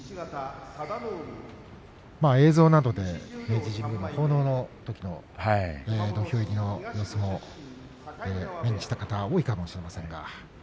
映像などで明治神宮の奉納のときの土俵入りの相撲目にした方は多いかもしれません。